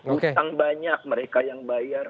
utang banyak mereka yang bayar